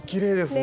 ね